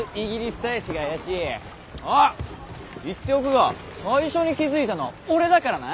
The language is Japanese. あっ言っておくが最初に気付いたのは俺だからな？